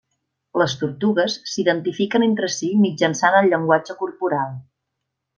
Les tortugues s'identifiquen entre si mitjançant el llenguatge corporal.